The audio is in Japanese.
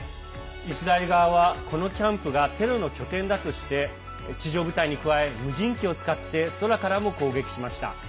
イスラエル側はこのキャンプがテロの拠点だとして地上部隊に加え、無人機を使って空からも攻撃しました。